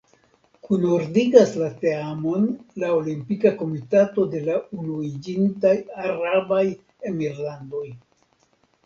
Kunordigas la teamon la Olimpika Komitato de la Unuiĝintaj Arabaj Emirlandoj.